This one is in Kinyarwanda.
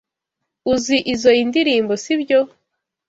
Uzi izoi ndirimbo, sibyo?